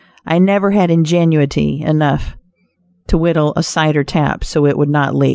I never had ingenuity enough to whittle a cider tap so it would not leak.